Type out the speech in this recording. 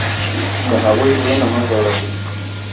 د هغوی زړونه مه ځوروئ.